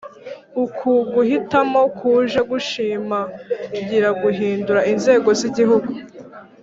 uku guhitamo kuje gushimangira guhindura inzego z’igihugu